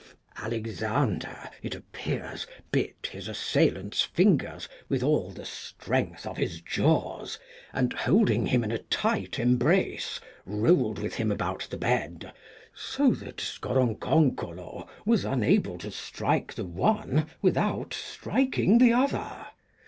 Alexander, it appears, bit his assailant's fingers with all the strength of his jaws, and holding him in a tight embrace, rolled with him about the bed, so that Scoronconcolo was unable to strike the one without striking the other.